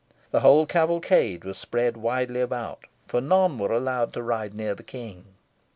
The whole cavalcade was spread widely about, for none were allowed to ride near the King.